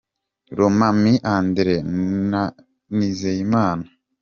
Romami Andire na Nizeyimana